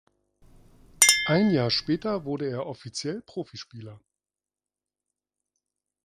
Ein Jahr später wurde er offiziell Profispieler.